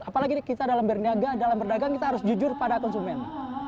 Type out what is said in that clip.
apalagi kita dalam berniaga dalam berdagang kita harus jujur pada konsumen